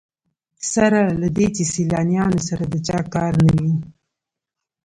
سره له دې چې سیلانیانو سره د چا کار نه وي.